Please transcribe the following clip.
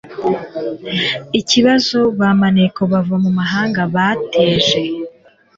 ikibazo ba maneko bava mu mahanga bateje